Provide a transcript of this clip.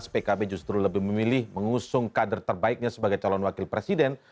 pkb justru lebih memilih mengusung kader terbaiknya sebagai calon wakil presiden